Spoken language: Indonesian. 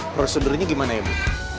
prosedurnya gimana ya bu